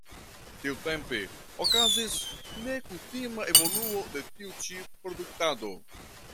Tiutempe okazis nekutima evoluo de tiu ĉi produktado.